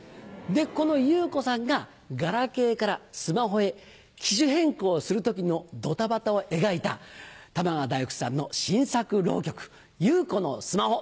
この祐子さんがガラケーからスマホへ機種変更する時のドタバタを描いた玉川太福さんの新作浪曲『祐子のスマホ』。